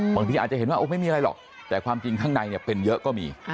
บางทีอาจจะเห็นว่าไม่มีอะไรหรอกแต่ความจริงข้างในเนี่ยเป็นเยอะก็มี